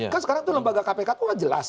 kan sekarang itu lembaga kpk itu kan jelas